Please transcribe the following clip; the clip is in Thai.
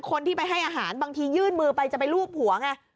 คนที่ไปให้อาหารบางทียื่นมือไปจะไปลูบหัวไง